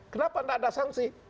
kenapa nggak ada sanksi